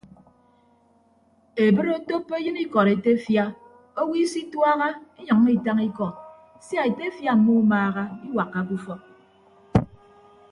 Ebre otoppo eyịn ikọd etefia owo isituaha inyʌññọ itañ ikọ sia etefia mmumaaha iwakkake ufọk.